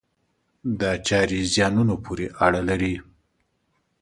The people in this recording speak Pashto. دا چارې زیانونو پورې اړه لري.